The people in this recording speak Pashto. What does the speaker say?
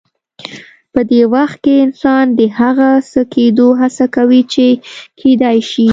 په دې وخت کې انسان د هغه څه کېدو هڅه کوي چې کېدای شي.